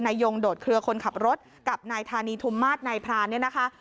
ยงโดดเคลือคนขับรถกับนายธานีธุมมาตรนายพรานเนี่ยนะคะ